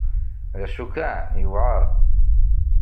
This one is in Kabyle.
D acu kan, yewɛer.